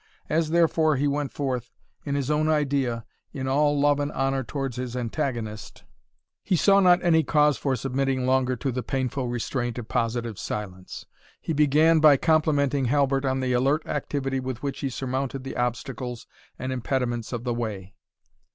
As, therefore, he went forth, in his own idea, in all love and honour towards his antagonist, he saw not any cause for submitting longer to the painful restraint of positive silence. He began by complimenting Halbert on the alert activity with which he surmounted the obstacles and impediments of the way.